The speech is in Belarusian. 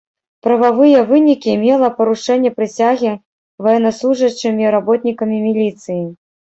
Прававыя вынікі мела парушэнне прысягі ваеннаслужачымі, работнікамі міліцыі.